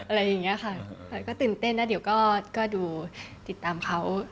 อะไรอย่างนี้ค่ะก็ตื่นเต้นนะเดี๋ยวก็ดูติดตามเขา